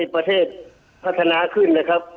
ประเทศพัฒนาขึ้นนะครับ